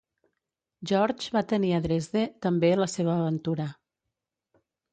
George va tenir a Dresde, també, la seva aventura.